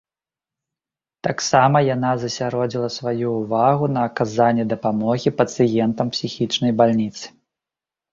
Таксама яна засяродзіла сваю ўвагу на аказанні дапамогі пацыентам псіхічнай бальніцы.